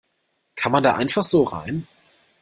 Kann man da einfach so rein?